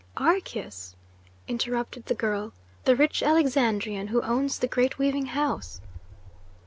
"Archias?" interrupted the girl. "The rich Alexandrian who owns the great weaving house?"